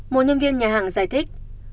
một nhân viên nhà hàng giải thích